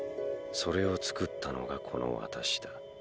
それを作ったのがこの私だ。